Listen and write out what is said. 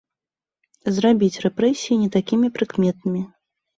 Зрабіць рэпрэсіі не такімі прыкметнымі.